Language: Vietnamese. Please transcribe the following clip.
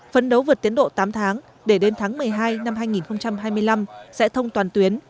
phấn đấu vượt tiến độ tám tháng để đến tháng một mươi hai năm hai nghìn hai mươi năm sẽ thông toàn tuyến